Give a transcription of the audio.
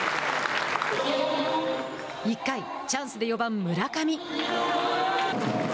１回、チャンスで４番村上。